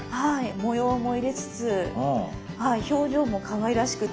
模様も入れつつ表情もかわいらしくて。